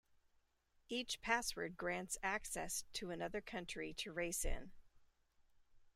Each password grants access to another country to race in.